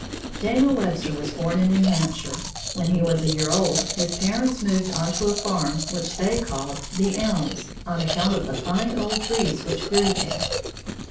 Daniel Webster was born in New Hampshire. When he was a year old, his parents moved onto a farm which they called "The Elms" on account of the fine old trees which grew there.